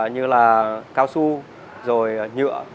như là cao su rồi nhựa